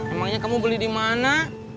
emangnya kamu beli di mana